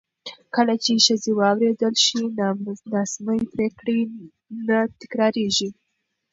کله چې ښځې واورېدل شي، ناسمې پرېکړې نه تکرارېږي.